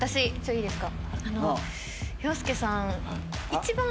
いいですか？